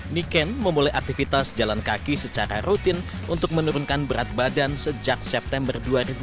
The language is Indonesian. niken memulai aktivitas jalan kaki secara rutin untuk menurunkan berat badan sejak september dua ribu dua puluh